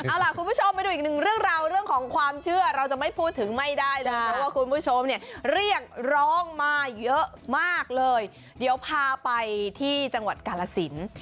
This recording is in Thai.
เอาล่ะคุณผู้ชมไปดูอีกหนึ่งเรื่องราวเรื่องของความเชื่อเราจะไม่พูดถึงไม่ได้เลยเพราะว่าคุณผู้ชมเนี่ยเรียกร้องมาเยอะมากเลยเดี๋ยวพาไปที่จังหวัดกาลสิน